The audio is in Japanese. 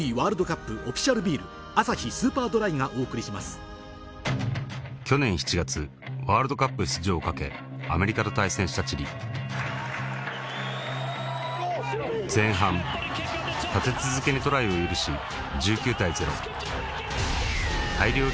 今回の主人公は去年７月ワールドカップ出場を懸けアメリカと対戦したチリ前半立て続けにトライを許し１９対０